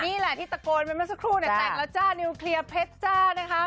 นี่แหละที่ตะโกนไปเมื่อสักครู่เนี่ยแต่งแล้วจ้านิวเคลียร์เพชรจ้านะคะ